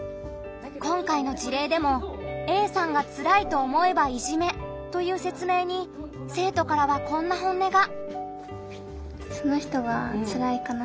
今回の事例でも「Ａさんがつらいと思えばいじめ」という説明に生徒からはこんな本音が。